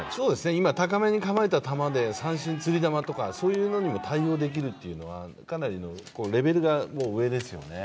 今、高めに構えた球で三振、釣り球とか、そういうのにも対応できるというのはかなりレベルが上ですよね。